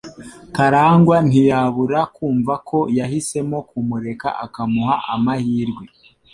Karangwa ntiyabura kumva ko yahisemo kumureka akamuha amahirwe.